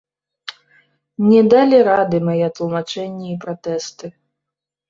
Не далі рады мае тлумачэнні і пратэсты.